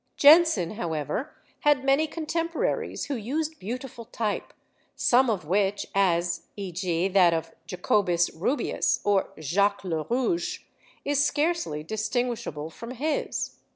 Jenson, however, had many contemporaries who used beautiful type, some of which as, e.g., that of Jacobus Rubeus or Jacques le Rouge is scarcely distinguishable from his.